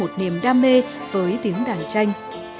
một niềm đam mê với tiếng đàn tranh